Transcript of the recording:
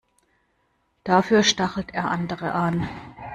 Dafür stachelt er andere an.